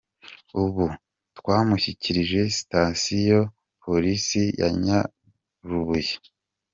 Ubu twamushyikirije Sitasiyo Polisi ya Nyarubuye.